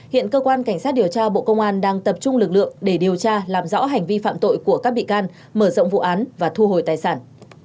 hiện cơ quan cảnh sát điều tra bộ công an đang tập trung lực lượng để điều tra làm rõ hành vi phạm tội của các bị can mở rộng vụ án và thu hồi tài sản